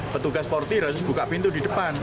petugas portir harus buka pintu di depan